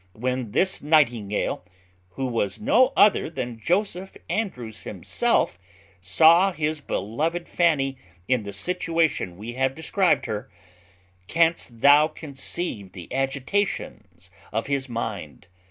when this nightingale, who was no other than Joseph Andrews himself, saw his beloved Fanny in the situation we have described her, canst thou conceive the agitations of his mind?